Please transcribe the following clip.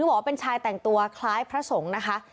บอกว่าเป็นชายแต่งตัวคล้ายพระสงฆ์นะคะ